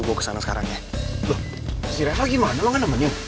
dan sekarang gue disuruh sama reva